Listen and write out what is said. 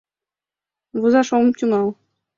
Возаш ом тӱҥал.